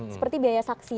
seperti biaya saksi